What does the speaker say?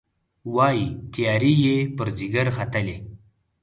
وايي، تیارې یې پر ځيګر ختلي